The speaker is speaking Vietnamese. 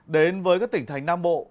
đến với tỉnh thành nam bộ